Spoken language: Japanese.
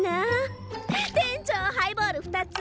店長ハイボール２つ！